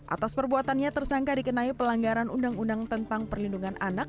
atas perbuatannya tersangka dikenai pelanggaran undang undang tentang perlindungan anak